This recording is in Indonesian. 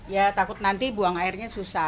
ya takut nanti buang airnya susah